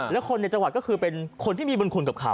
แล้วคนในจังหวัดก็คือเป็นคนที่มีบุญคุณกับเขา